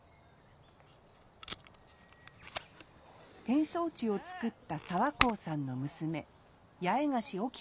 展勝地をつくった澤幸さんの娘